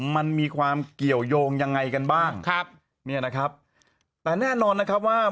มันมีความเกี่ยวยงยังไงกันบ้างครับเนี่ยนะครับแต่แน่นอนนะครับว่า